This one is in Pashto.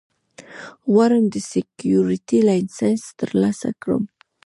غواړم د سیکیورټي لېسنس ترلاسه کړم